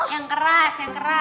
yang keras yang keras